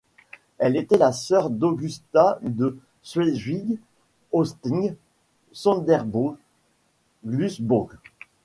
Elle était la sœur d'Augusta de Schleswig-Holstein-Sonderbourg-Glücksbourg.